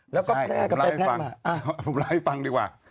และแพร่กับเป็นแพร่มาผมเล่าให้ฟังดีกว่า